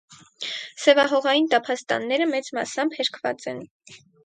Սևահողային տափաստանները մեծ մասամբ հերկված են։